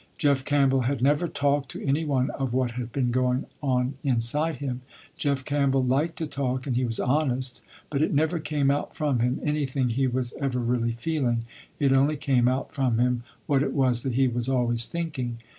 Jeff Campbell had never talked to any one of what had been going on inside him. Jeff Campbell liked to talk and he was honest, but it never came out from him, anything he was ever really feeling, it only came out from him, what it was that he was always thinking.